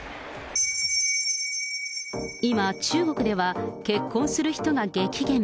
今、中国では、結婚する人が激減。